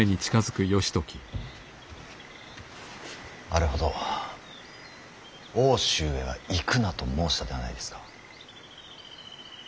あれほど奥州へは行くなと申したではないですか。